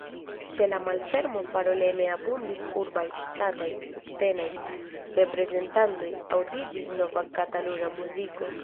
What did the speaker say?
Ĉe la malfermo paroleme abundis urbaj, ŝtataj, subtenaj reprezentantoj, aŭdiĝis nova kataluna muziko.